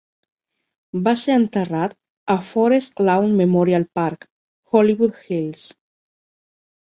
Va ser enterrat a Forest Lawn Memorial Park, Hollywood Hills.